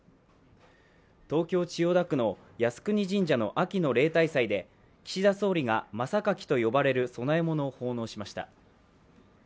東京・千代田区の靖国神社の秋の例大祭で岸田総理がまさかきと呼ばれる供え物を奉納しました。